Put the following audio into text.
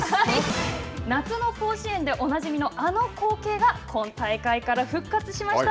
夏の甲子園でおなじみのあの光景が、今大会から復活しました。